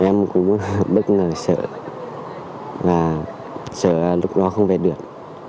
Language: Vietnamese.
em cũng bất ngờ sợ là sợ lúc đó không về được